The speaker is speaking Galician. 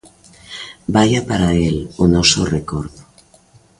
Vaia para el o noso recordo.